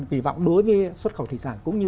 kỳ vọng đối với xuất khẩu thủy sản cũng như